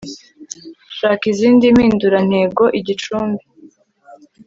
shaka izindi mpindurantego igicumbi